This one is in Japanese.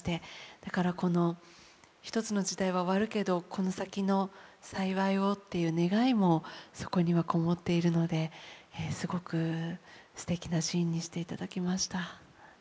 だからこの一つの時代は終わるけどこの先の幸いをという願いもそこにはこもっているのですごくすてきなシーンにしていただきました。